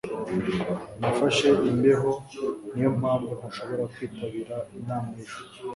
Nafashe imbeho Niyo mpamvu ntashobora kwitabira inama ejo